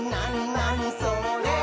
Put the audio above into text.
なにそれ？」